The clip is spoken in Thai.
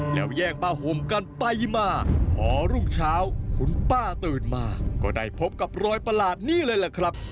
แล้วแย่งผ้าห่มกันไปมาพอรุ่งเช้าคุณป้าตื่นมาก็ได้พบกับรอยประหลาดนี่เลยล่ะครับ